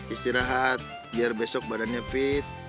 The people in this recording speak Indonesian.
istirahat biar besok badannya fit